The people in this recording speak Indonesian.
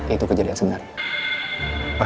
itu kejadian sebenarnya